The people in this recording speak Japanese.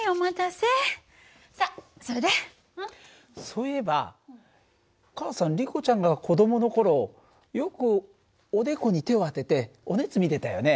そういえばお母さんリコちゃんが子どもの頃よくおでこに手を当ててお熱見てたよね。